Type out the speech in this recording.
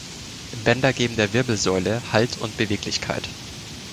Bänder geben der Wirbelsäule Halt und Beweglichkeit.